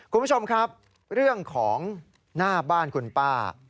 คุณผู้ชมครับเรื่องของหน้าบ้านคุณป้า